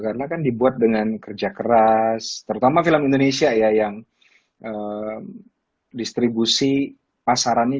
karena kan dibuat dengan kerja keras terutama film indonesia ya yang distribusi pasarannya